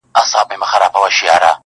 « څوک د درست جهان پاچا ظاهر ګدا وي» -